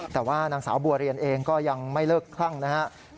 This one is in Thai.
แต่ว่านางสาวบัวเรียนเองก็ยังไม่เลิกคลั่งนะครับ